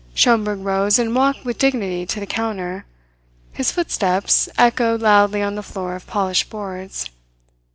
Schomberg rose and walked with dignity to the counter. His footsteps echoed loudly on the floor of polished boards.